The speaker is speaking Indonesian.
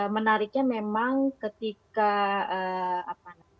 menariknya memang ketika